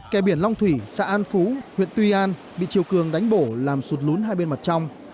kè biển long thủy xã an phú huyện tuy an bị triều cường đánh bổ làm sụt lún hai bên mặt trong